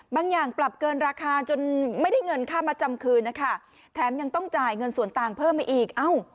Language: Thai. บางอย่างปรับเกินราคาจนไม่ได้เงินค่ามาจำคืนนะคะแถมยังต้องจ่ายเงินส่วนต่างเพิ่มมาอีก